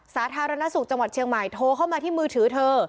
สาธารณสุขจังหวัดเชียงใหม่โทรเข้ามาที่มือถือเธอ